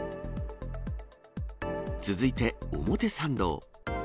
続いて表参道。